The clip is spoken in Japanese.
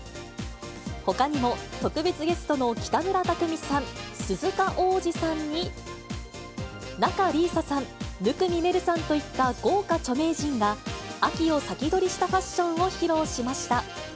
ほかにも特別ゲストの北村匠海さん、鈴鹿央士さんに、仲里依紗さん、生見愛瑠さんといった豪華著名人が、秋を先取りしたファッションを披露しました。